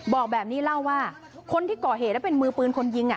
บอกแบบนี้เล่าว่าคนที่ก่อเหตุแล้วเป็นมือปืนคนยิง